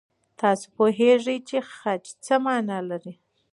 تاسو پوهېږئ چې خج څه مانا لري؟